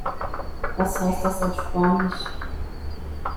Was heißt das auf Spanisch?